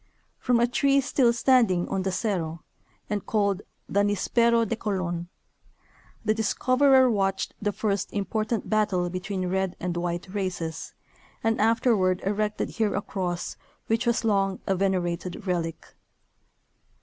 From a tree still standing on the Cerro and called the " Nispero de Colon " the discoverer watched the first impor tant battle between red and white races, and afterward erected here a cross, which was long a venerated relic.